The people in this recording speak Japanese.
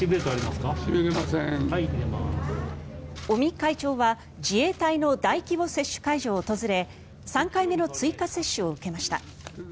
尾身会長は自衛隊の大規模接種会場を訪れ３回目の追加接種を受けました。